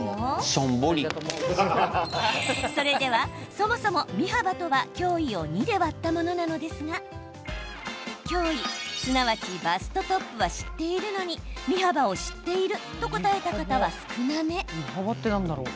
そもそも身幅とは胸囲を２で割ったものなのですが胸囲、すなわちバストトップは知っているのに身幅を知っていると答えた方は少なめ。